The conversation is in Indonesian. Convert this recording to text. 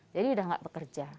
jadi sudah tidak bekerja